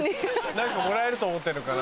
何かもらえると思ってんのかな。